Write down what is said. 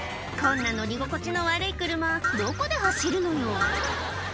こんな乗り心地の悪い車どこで走るのよ